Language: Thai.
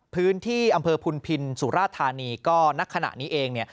พื้นที่อำเภอพุนพินสุราธานีก็ณขณะนี้เองเนี่ย